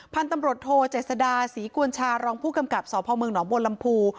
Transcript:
พันธุ์ตำรวจโทเจษดาศรีกวนชารองผู้กำกับสพเมืองหนองบัวลำพู